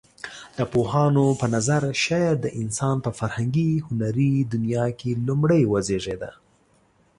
د پوهانو په نظر شعر د انسان په فرهنګي هنري دنيا کې لومړى وزيږيده.